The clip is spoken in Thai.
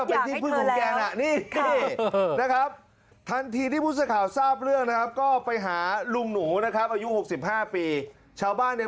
ะเราก็ด้านที่ที่บุษขาวทราบเรื่องแล้วก็ไปหาลุงหนูนะคะอะยู๖๕ปีชาวบ้านใน